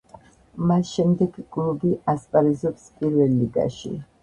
მას შემდეგ კლუბი ასპარეზობს პირველ ლიგაში.